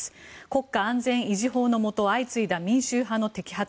国家安全維持法のもと相次いだ民衆派の摘発。